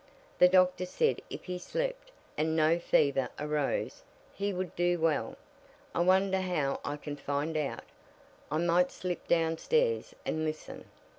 The doctor said if he slept, and no fever arose, he would do well. I wonder how I can find out. I might slip downstairs and listen."